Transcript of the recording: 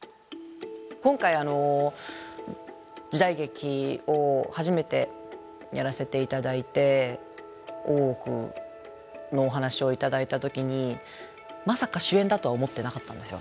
今回時代劇を初めてやらせて頂いて「大奥」のお話を頂いた時にまさか主演だとは思ってなかったんですよ